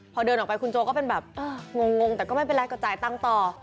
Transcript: พอเดินออกไปคุณโจก็เป็นแบบงงแต่ก็ไม่เป็นไรก็จ่ายตังค์ต่อ